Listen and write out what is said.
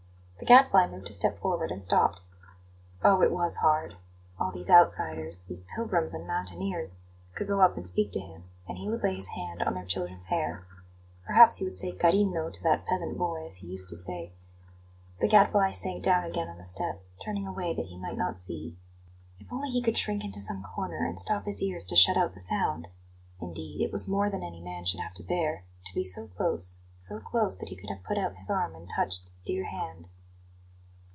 The Gadfly moved a step forward and stopped. Oh, it was hard! All these outsiders these pilgrims and mountaineers could go up and speak to him, and he would lay his hand on their children's hair. Perhaps he would say "Carino" to that peasant boy, as he used to say The Gadfly sank down again on the step, turning away that he might not see. If only he could shrink into some corner and stop his ears to shut out the sound! Indeed, it was more than any man should have to bear to be so close, so close that he could have put out his arm and touched the dear hand.